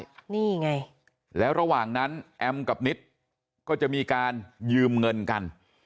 นี่ไงแล้วระหว่างนั้นแอมกับนิดก็จะมีการยืมเงินกัน